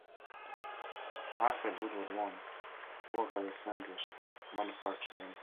Alfred Woodward I worked at the Sandwich Manufacturing Company.